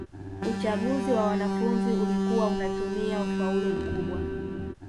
uchaguzi wa wanafunzi ulikuwa unatumia ufaulu mkubwa